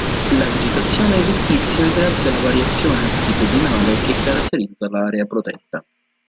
La vegetazione è ricchissima grazie alla variazione altitudinale che caratterizza l'area protetta.